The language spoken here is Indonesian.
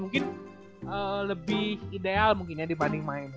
mungkin lebih ideal mungkinnya dibanding main